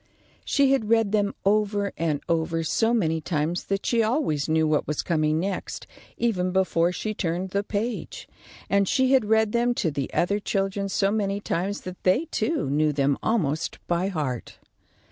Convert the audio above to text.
She had read them over and over so many times that she always knew what was coming next, even before she turned the page; and she had read them to the other children so many times that they, too, knew them almost by heart.